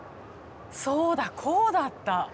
そうだこうだった。